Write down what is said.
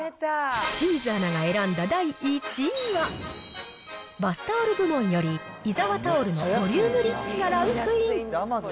清水アナが選んだ第１位は、バスタオル部門より、伊澤タオルのボリュームリッチからランクイン。